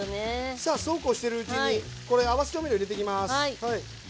さあそうこうしてるうちにこれ合わせ調味料入れてきます。